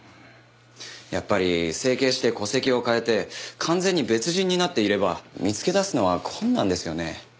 やっぱり整形して戸籍を変えて完全に別人になっていれば見つけ出すのは困難ですよね。